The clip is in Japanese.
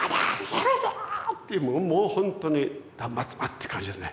やめてよ！」っていうもう本当に断末魔って感じですね。